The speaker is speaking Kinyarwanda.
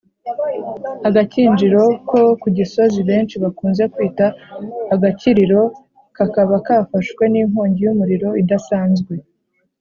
Agakinjiro ko ku gisozi benshi bakunze kwita agakiriro, kakaba kafashwe n’inkongi y’umuriro idasanzwe.